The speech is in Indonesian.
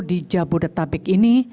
di jabodetabek ini